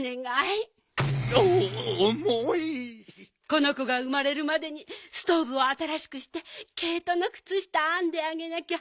このこがうまれるまでにストーブをあたらしくしてけいとのくつしたあんであげなきゃ。